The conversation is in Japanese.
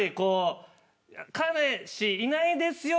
彼氏いないですよ